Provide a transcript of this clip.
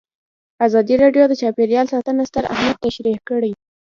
ازادي راډیو د چاپیریال ساتنه ستر اهميت تشریح کړی.